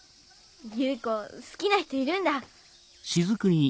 夕子好きな人いるんだ。